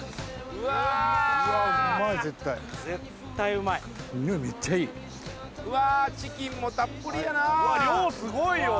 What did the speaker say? うわー、量すごいよ。